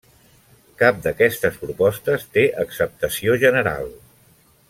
Cap d'aquestes propostes té acceptació general.